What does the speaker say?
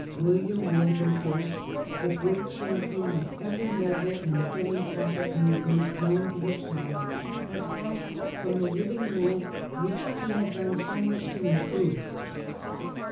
William Wilberforce, the great champion of every noble and philanthropic movement known to his times, had passed from the living world which he had done so much to improve.